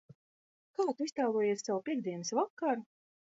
Kā Tu iztēlojies savu piektdienas vakaru?